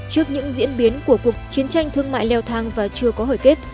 trước những diễn biến của cuộc chiến tranh thương mại leo thang và chưa có hồi kết